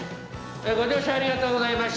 ご乗車ありがとうございました。